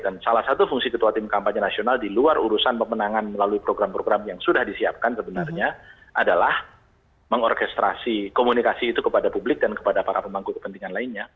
dan salah satu fungsi ketua tim kampanye nasional di luar urusan pemenangan melalui program program yang sudah disiapkan sebenarnya adalah mengorkestrasi komunikasi itu kepada publik dan kepada para pemangku kepentingan lainnya